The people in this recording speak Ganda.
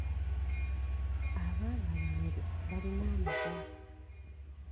Abaana bange balina amagezi.